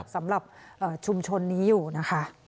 สำหรับชุมชนนี้อยู่นะคะ